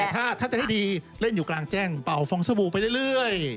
ถ้าจะให้ดีเล่นอยู่กลางแจ้งเป่าฟองสบู่ไปเรื่อย